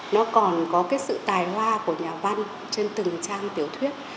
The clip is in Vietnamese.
nó còn có cái sự tài hoa của nhà văn trên từng trang tiểu thuyết